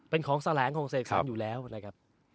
เป็นของแสลงของเสกสรรอยู่แล้วนะครับ